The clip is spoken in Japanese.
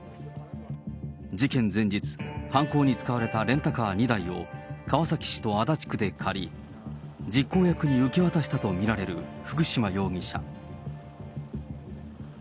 事件前日、犯行に使われたレンタカー２台を、川崎市と足立区で借り、実行役に受け渡したと見られる福島容疑者。